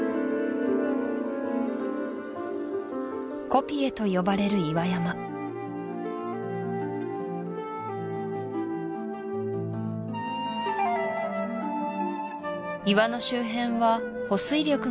コピエと呼ばれる岩山岩の周辺は保水力があるため